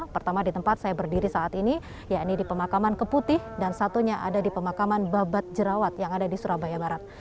pertama di tempat saya berdiri saat ini yakni di pemakaman keputih dan satunya ada di pemakaman babat jerawat yang ada di surabaya barat